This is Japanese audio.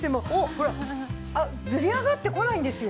ほらずり上がってこないんですよ。